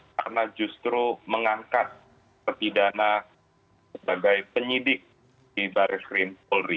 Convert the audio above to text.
karena justru mengangkat petidana sebagai penyidik di baris rim polri